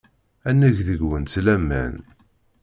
Ad neg deg-went laman.